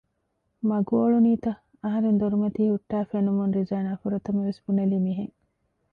މަގު އޮޅުނީތަ؟ އަހަރެން ދޮރުމަތީ ހުއްޓައި ފެނުމުން ރިޒާނާ ފުރަތަމަ ވެސް ބުނެލީ މިހެން